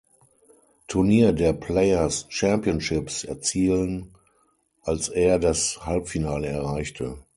Turnier der Players Championships erzielen als er das Halbfinale erreichte.